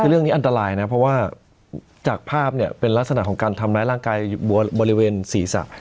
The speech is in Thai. คือเรื่องนี้อันตรายนะเพราะว่าจากภาพเนี่ยเป็นลักษณะของการทำร้ายร่างกายบริเวณศีรษะ